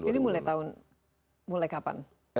ini mulai tahun mulai kapan